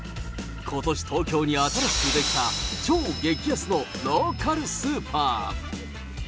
ことし、東京に新しく出来た超激安のローカルスーパー。